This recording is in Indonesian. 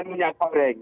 dan minyak goreng